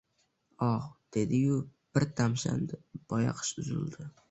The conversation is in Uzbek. «Oh!», dediyu bir tamshandi… boyaqish… uzildi…